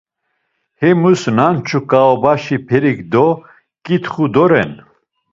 Hemus nanç̌u ǩaobaşi perik do ǩitxu doren.